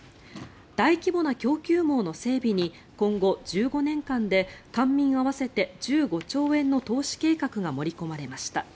大規模な供給網の整備に今後１５年間で官民合わせて１５兆円の投資計画が盛り込まれました。